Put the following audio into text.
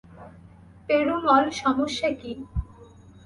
পেরুমল, সমস্যা কী?